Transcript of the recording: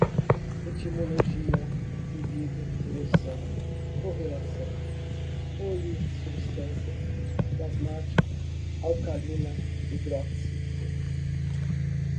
etimologia, libido, ereção, correlação, polissubstâncias, plasmático, alcalina, hidróxido